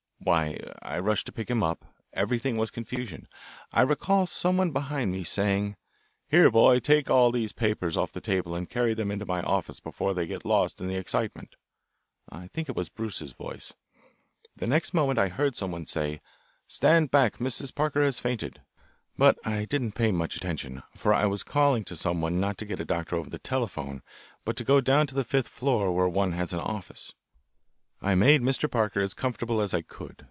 "Why, I rushed to pick him up. Everything was confusion. I recall someone behind me saying, 'Here, boy, take all these papers off the table and carry them into my office before they get lost in the excitement.' I think it was Bruce's voice. The next moment I heard someone say, 'Stand back, Mrs. Parker has fainted.' But I didn't pay much attention, for I was calling to someone not to get a doctor over the telephone, but to go down to the fifth floor where one has an office. I made Mr. Parker as comfortable as I could.